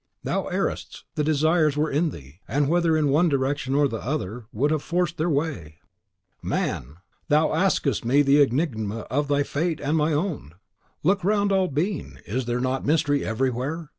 "Thou errest! the desires were in thee; and, whether in one direction or the other, would have forced their way! Man! thou askest me the enigma of thy fate and my own! Look round all being, is there not mystery everywhere?